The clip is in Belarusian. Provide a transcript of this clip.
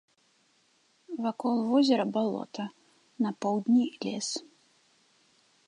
Вакол возера балота, на поўдні лес.